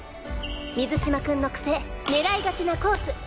水嶋君の癖狙いがちなコース